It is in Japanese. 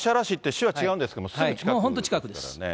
橿原市って、市は違うんですけれども、すぐ近く。